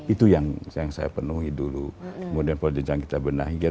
itu yang saya penuhi dulu modern pola jenjang kita benahi